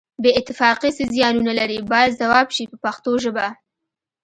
بې اتفاقي څه زیانونه لري باید ځواب شي په پښتو ژبه.